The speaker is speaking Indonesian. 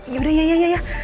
yaudah ya ya ya